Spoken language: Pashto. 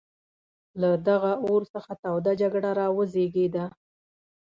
له دغه اور څخه توده جګړه را وزېږېده.